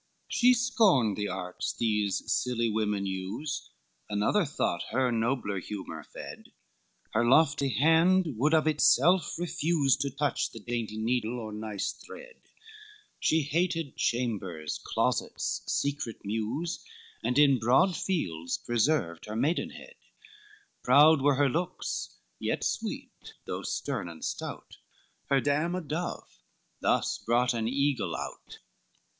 XXXIX She scorned the arts these silly women use, Another thought her nobler humor fed, Her lofty hand would of itself refuse To touch the dainty needle or nice thread, She hated chambers, closets, secret news, And in broad fields preserved her maidenhead: Proud were her looks, yet sweet, though stern and stout, Her dam a dove, thus brought an eagle out.